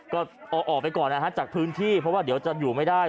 ก็เอาออกไปก่อนนะฮะจากพื้นที่เพราะว่าเดี๋ยวจะอยู่ไม่ได้